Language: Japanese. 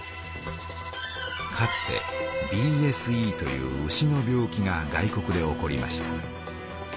かつてＢＳＥという牛の病気が外国で起こりました。